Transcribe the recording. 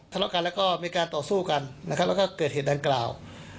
ทะเลาะกันและมีการต่อสู้กันและเกิดเหตุดังกล่าว